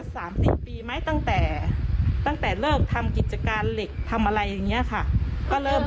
ขายที่แปงนี้ไปได้ไปสิมินทรีย์ล้าน